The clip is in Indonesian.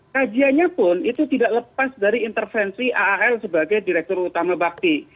kajiannya pun itu tidak lepas dari intervensi aal sebagai direktur utama bakti